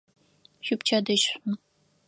Шъуипчэдыжь шӏу!